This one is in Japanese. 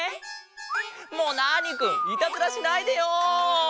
もうナーニくんいたずらしないでよ！